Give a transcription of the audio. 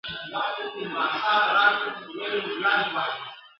د ښار خلکو پیدا کړې مشغولا وه !.